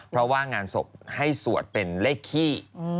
เพราะว่างานศพให้สวดเป็นเลขขี้